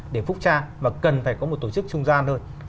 để phúc tra và cần phải có một tổ chức trung gian hơn